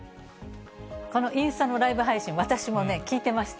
このインスタのライブ配信、私も聞いてました。